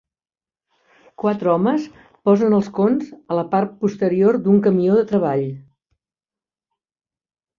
Quatre homes posen els cons a la part posterior d'un camió de treball